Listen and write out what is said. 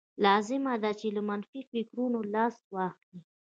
لازمه ده چې له منفي فکرونو لاس واخلئ.